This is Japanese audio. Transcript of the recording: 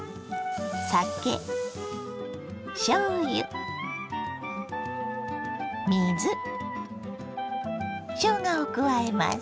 酒しょうゆ水しょうがを加えます。